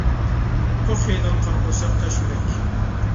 پوق يەيدىغان قارا قورساق، تاش يۈرەك.